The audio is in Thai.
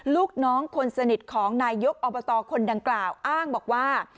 ลูกน้องคนสนิทของนายยกอบตคนดังกล่าวอ้างบอกว่า